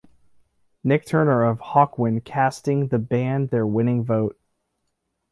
Nik Turner of Hawkwind casting the band their winning vote.